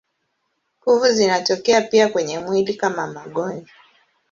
Kuvu zinatokea pia kwenye mwili kama magonjwa.